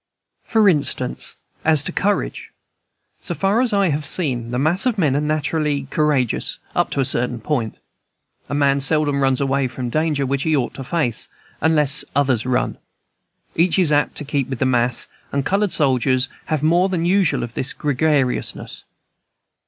For instance, as to courage. So far as I have seen, the mass of men are naturally courageous up to a certain point. A man seldom runs away from danger which he ought to face, unless others run; each is apt to keep with the mass, and colored soldiers have more than usual of this gregariousness.